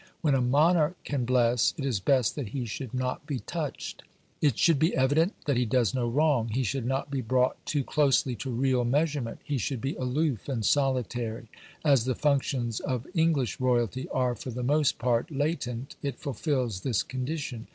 When a monarch can bless, it is best that he should not be touched. It should be evident that he does no wrong. He should not be brought too closely to real measurement. He should be aloof and solitary. As the functions of English royalty are for the most part latent, it fulfils this condition.